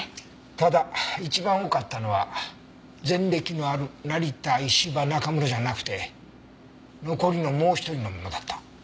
ただ一番多かったのは前歴のある成田石場中室じゃなくて残りのもう１人のものだった。